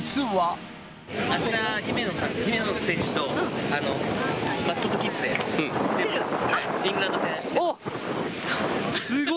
あした、姫野選手とマスコットキッズで出ます。